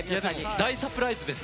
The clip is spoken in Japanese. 大サプライズです。